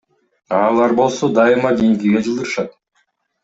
А алар болсо дайыма кийинкиге жылдырышат.